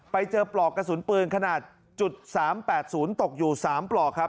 ปลอกกระสุนปืนขนาด๓๘๐ตกอยู่๓ปลอกครับ